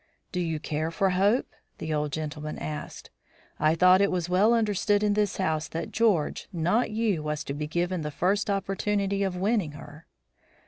"Do you care for Hope?" the old gentleman asked. "I thought it was well understood in this house that George, not you, was to be given the first opportunity of winning her."